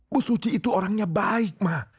bu susi itu orangnya baik ma